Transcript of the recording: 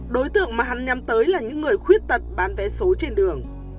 đối tượng mà hắn nhắm tới là những người khuyết tật bán vé số trên đường